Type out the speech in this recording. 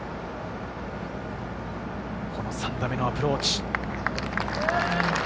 ３打目のアプローチ。